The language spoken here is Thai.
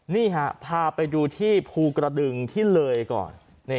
นี่ฮะพาไปดูที่ภูกระดึงที่เลยก่อน